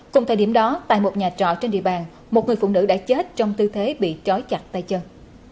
cùng thời điểm đó tại một nhà trọ trên địa bàn một người phụ nữ đã chết trong tư thế bị chói chặt tay chân